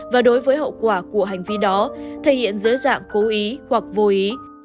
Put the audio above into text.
và đối với hậu quả của hành vi đó thể hiện dưới dạng cố ý hoặc vô ý